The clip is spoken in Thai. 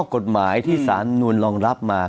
กฎหมายที่สารนุนรองรับมา